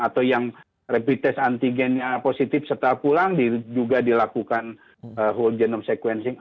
atau yang rapid test antigennya positif setelah pulang juga dilakukan whole genome sequencing